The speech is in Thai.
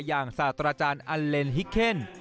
อย่างสถาวัตราจารย์อัลเทรนฮิคเบง